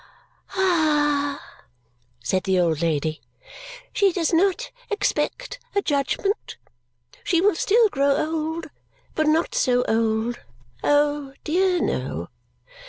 "Ha!" said the old lady. "She does not expect a judgment? She will still grow old. But not so old. Oh, dear, no!